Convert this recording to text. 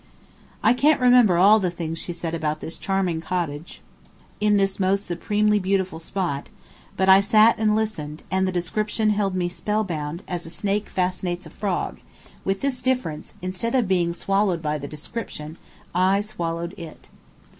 I can't remember all the things she said about this charming cottage in this most supremely beautiful spot, but I sat and listened, and the description held me spell bound, as a snake fascinates a frog; with this difference, instead of being swallowed by the description, I swallowed it.